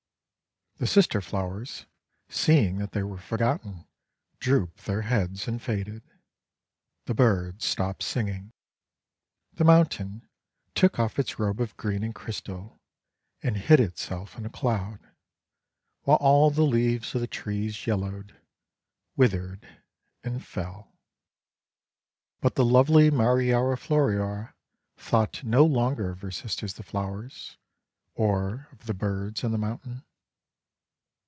The sister flowers, seeing that they were for gotten, drooped their heads and faded. The birds stopped singing. The mountain took off its robe of green and crystal, and hid itself in a Cloud, while all the leaves of the trees yellowed, withered, and fell. But the lovely Mariora Floriora thought no longer of her sisters the flowers, or of the birds and the mountain.